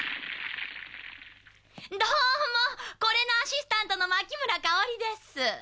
どうもこれのアシスタントの槇村香です。